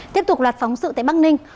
tiếp tục loạt phóng sự tại bắc ninh